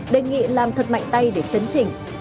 đề nghị làm thật mạnh tay để chấn chỉnh